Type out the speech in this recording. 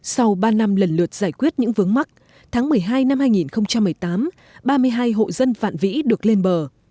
sau ba năm lần lượt giải quyết những vướng mắt tháng một mươi hai năm hai nghìn một mươi tám ba mươi hai hộ dân vạn vĩ được lên bờ